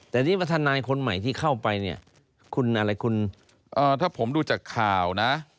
แต่นี่ทนายคนใหม่ที่เข้าไปเนี่ยคุณอะไรคุณถ้าผมดูจากข่าวนะ